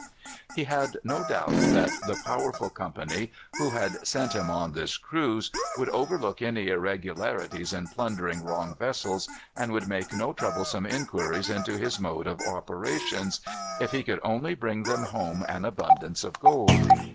He had no doubt that the powerful company, who had sent him on this cruise, would overlook any irregularities in plundering wrong vessels, and would make no troublesome inquiries into his mode of operations, if he would only bring them home an abundance of gold.